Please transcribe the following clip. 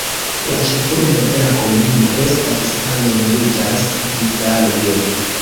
La ĉefurbo de la komunumo estas same nomiĝas "Hidalgo".